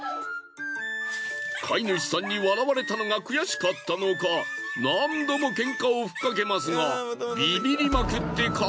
飼い主さんに笑われたのが悔しかったのか何度もケンカをふっかけますがビビりまくって完敗。